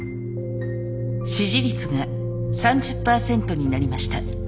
支持率が３０％になりました。